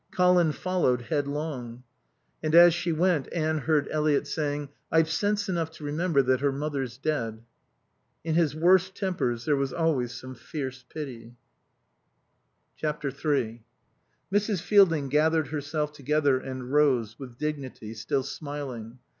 Colin followed headlong. And as she went Anne heard Eliot saying, "I've sense enough to remember that her mother's dead." In his worst tempers there was always some fierce pity. iii Mrs. Fielding gathered herself together and rose, with dignity, still smiling.